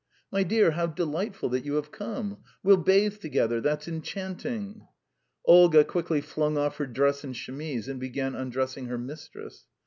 "My dear, how delightful that you have come! We'll bathe together that's enchanting!" Olga quickly flung off her dress and chemise, and began undressing her mistress.